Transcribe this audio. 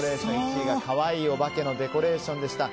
１位が、かわいいオバケのデコレーションでした。